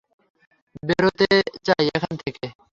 বেরোতে চাই এখান থেকে।